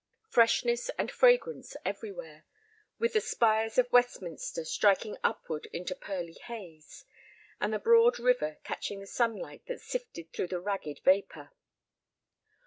Freshness and fragrance everywhere, with the spires of Westminster striking upward into pearly haze, and the broad river catching the sunlight that sifted through the ragged vapor.